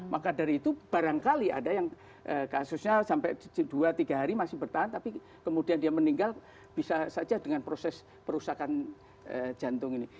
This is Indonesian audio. maka dari itu barangkali ada yang kasusnya sampai dua tiga hari masih bertahan tapi kemudian dia meninggal bisa saja dengan proses perusakan jantung ini